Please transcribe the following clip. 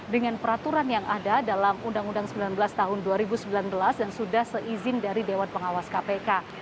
dengan peraturan yang ada dalam undang undang sembilan belas tahun dua ribu sembilan belas dan sudah seizin dari dewan pengawas kpk